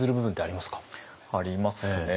ありますね。